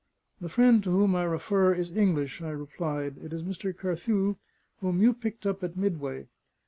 "The friend to whom I refer is English," I replied. "It is Mr. Carthew, whom you picked up at Midway.